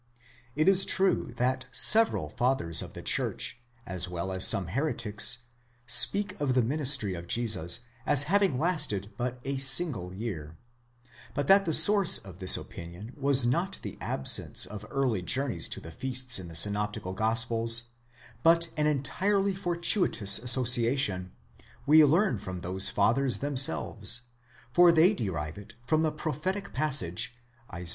It is true that several Fathers of the Church,!® as well as some heretics," speak of the ministry of Jesus as having lasted but a single year ; but that the source of this opinion was not the absence of early journeys to the feasts in the synoptical gospels, but an entirely fortuitous association, we learn from those Fathers themselves, for they derive it from the prophetic passage Isa.